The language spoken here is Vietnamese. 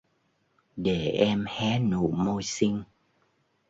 Để em hé nụ môi xinh